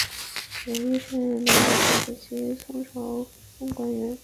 刘邕是南北朝时期南朝宋官员。